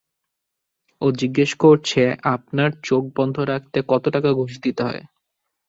ও জিজ্ঞেস করছে আপনার চোখ বন্ধ রাখতে কত টাকা ঘুষ দিতে হয়?